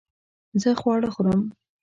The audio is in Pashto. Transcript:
زه خواړه خورم